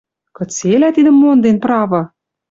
Кыцелӓ тидӹм монден, право?